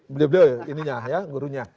beda beda ya gurunya